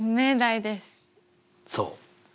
そう。